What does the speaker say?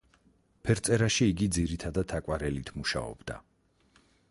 ფერწერაში იგი ძირითად აკვარელით მუშაობდა.